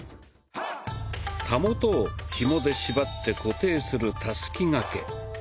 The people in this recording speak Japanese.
たもとをひもで縛って固定する「たすき掛け」。